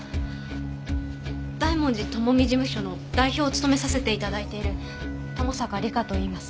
大文字智美事務所の代表を務めさせて頂いている友坂梨香といいます。